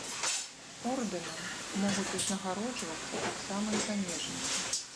Ордэнам могуць узнагароджвацца таксама і замежнікі.